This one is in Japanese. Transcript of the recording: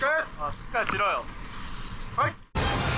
はい。